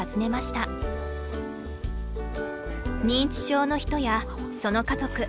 認知症の人やその家族